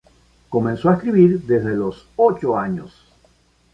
Comenzó a escribir desde los ocho años.